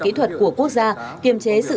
kỹ thuật của quốc gia kiềm chế sự